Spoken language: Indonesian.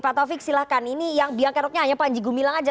pak taufik silahkan ini yang biang keroknya hanya panji gumilang aja